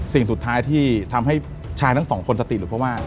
สิ่งสุดท้ายที่ทำให้ชายทั้งสองคนสติดหรือ